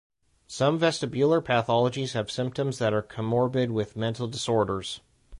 Some vestibular pathologies have symptoms that are comorbid with mental disorders.